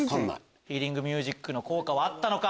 ヒーリングミュージックの効果はあったのか？